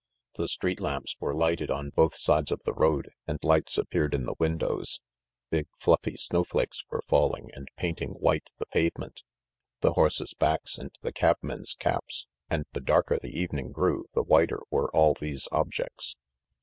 The street lamps were lighted on both sides of the road, and lights appeared in the windows. Big, fluffy snowflakes were falling and painting white the pavement, the horses' backs and the cabmen's caps, and the darker the evening grew the whiter were all these objects.